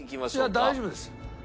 いや大丈夫ですよ。